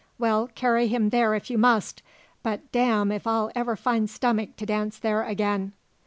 Well, carry him there if you must, but damme if I'll ever find stomach to dance there again!"